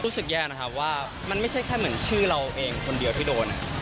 รู้สึกแย่นะครับว่ามันไม่ใช่แค่เหมือนชื่อเราเองคนเดียวที่โดน